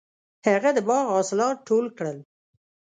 هغه د باغ حاصلات ټول کړل.